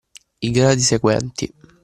I gradi seguenti